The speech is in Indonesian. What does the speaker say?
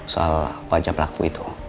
soal wajah pelaku itu